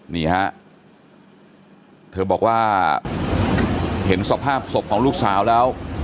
นี่ฮะเธอบอกว่าเห็นสภาพศพของลูกสาวแล้ว